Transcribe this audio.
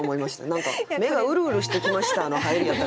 「何か目がうるうるしてきました」の入りやった。